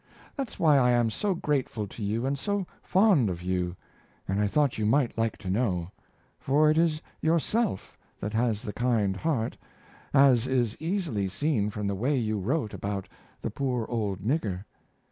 That's why I am so grateful to you and so fond of you, and I thought you might like to know; for it is yourself that has the kind heart, as is easily seen from the way you wrote about the poor old nigger.